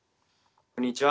こんにちは。